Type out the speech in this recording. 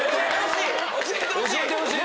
教えてほしい。